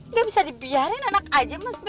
nggak bisa dibiarin anak aja mas